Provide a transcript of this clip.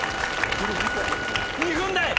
２分台！